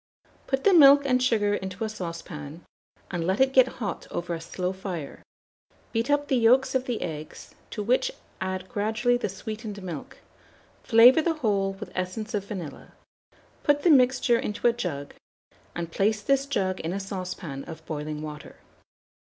Put the milk and sugar into a saucepan, and let it get hot over a slow fire; beat up the yolks of the eggs, to which add gradually the sweetened milk; flavour the whole with essence of vanilla, put the mixture into a jug, and place this jug in a saucepan of boiling water.